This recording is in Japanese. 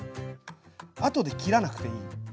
後で切らなくていい。